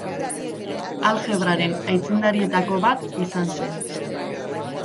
Aljebraren aitzindarietako bat izan zen.